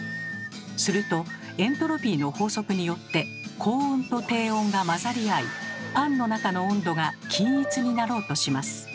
するとエントロピーの法則によって高温と低温が混ざり合いパンの中の温度が均一になろうとします。